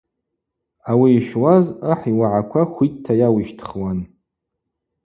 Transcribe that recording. Ауи йщуаз ахӏ йуагӏаква хвитта йауищтхуан.